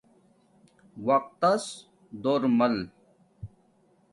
وقت تس دور مل